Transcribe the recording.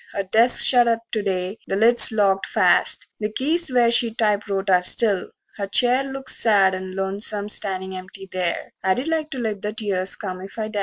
Her desk's shut up to day, the lid's locked fast; The keys where she typewrote are still; her chair Looks sad and lonesome standin' empty there I'd like to let the tears come if I dast.